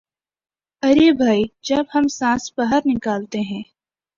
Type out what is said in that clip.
ارے بھئی جب ہم سانس باہر نکالتے ہیں